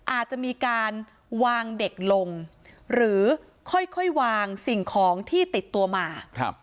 อาจจะมีการวางเด็กลงหรือค่อยวางสิ่งของที่ติดตัวมา